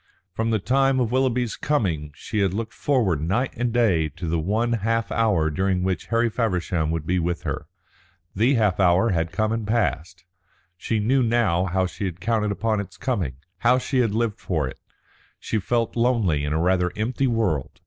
From the time of Willoughby's coming she had looked forward night and day to the one half hour during which Harry Feversham would be with her. The half hour had come and passed. She knew now how she had counted upon its coming, how she had lived for it. She felt lonely in a rather empty world.